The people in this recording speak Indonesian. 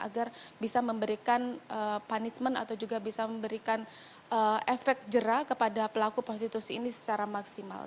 agar bisa memberikan punishment atau juga bisa memberikan efek jerah kepada pelaku prostitusi ini secara maksimal